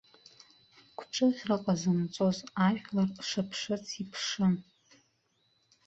Гәҿыӷьра ҟазымҵоз ажәлар шыԥшыц иԥшын.